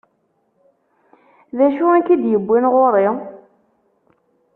D acu i k-id-iwwin ɣur-i?